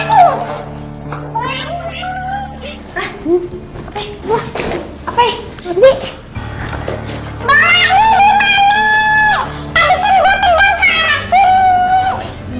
di situ ada gak tuh